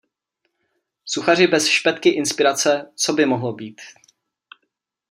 Suchaři bez špetky inspirace co by mohlo být.